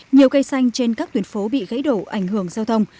nhiều cây xanh trên các tuyến phố bị gãy đổ ảnh hưởng giao thông